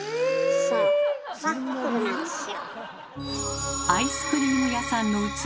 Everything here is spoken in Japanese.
そうワッフルなんですよ。